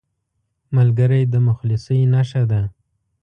ملګری د مخلصۍ نښه ده